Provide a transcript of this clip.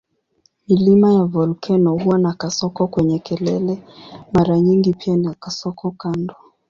Milima ya volkeno huwa na kasoko kwenye kelele mara nyingi pia na kasoko kando.